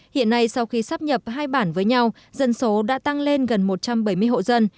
hiện nay sau khi sắp nhập hai bản với nhau dân số đã tăng lên gần một trăm bảy mươi hộ dân